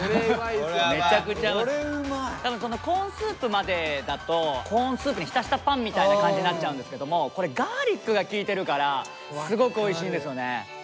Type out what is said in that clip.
コーンスープまでだとコーンスープに浸したパンみたいな感じになっちゃうんですけどもこれガーリックが利いてるからすごくおいしいんですよね。